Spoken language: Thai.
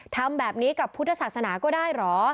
ทำแบบนี้กับพุทธศาสนาก็ได้เหรอ